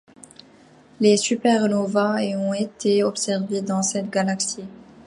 Les supernovas et ont été observées dans cette galaxie.